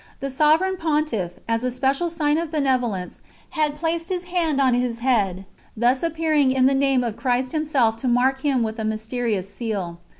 The Sovereign Pontiff, as a special sign of benevolence, had placed his hand on his head, thus appearing in the name of Christ Himself to mark him with a mysterious seal.